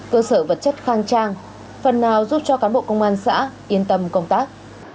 cơ sở vật chất khang trang phần nào giúp cho cán bộ công an xã yên tâm công tác